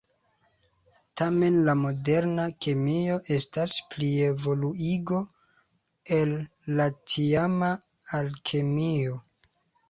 Tamen la moderna kemio estas plievoluigo el la tiama alkemio.